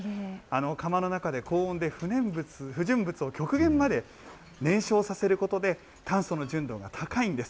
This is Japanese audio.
窯の中で高温で、不純物を極限まで燃焼させることで、炭素の純度が高いんです。